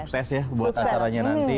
sukses ya buat acaranya nanti